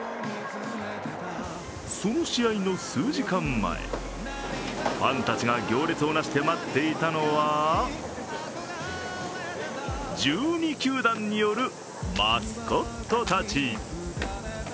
その試合の数時間前ファンたちが行列をなして待っていたのは１２球団によるマスコットたち。